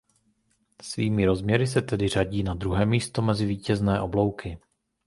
Svými rozměry se tedy řadí na druhé místo mezi vítězné oblouky.